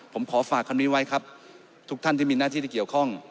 ผมขอฝากคำนี้ไว้ครับทุกท่านที่มีหน้าที่ที่เกี่ยวข้อง